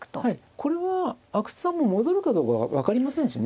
これは阿久津さんも戻るかどうか分かりませんしね。